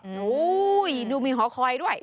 โอ้โหดูมีหอคอยด้วย